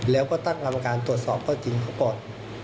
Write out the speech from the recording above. แล้วก็ตั้งความอาการตรวจสอบเขาจริงเขาปลอด